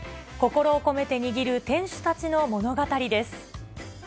心を込めて握る店主たちの物語です。